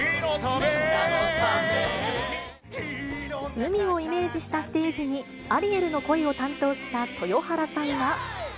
海をイメージしたステージに、アリエルの声を担当した豊原さん